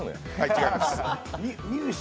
違います。